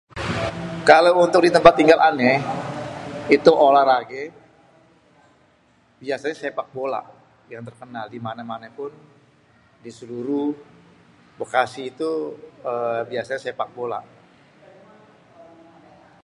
Kalo untuk di tempat tinggal Ane, itu olahrage biasenye sepak bola, yang terkenal dimane-manepun di seluru Bekasi tuh sepak bola.